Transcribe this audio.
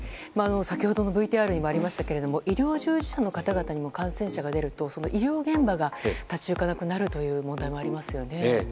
先ほどのＶＴＲにもありましたが医療従事者の方々にも感染者が出ると、医療現場が立ち行かなくなるという問題もありますよね。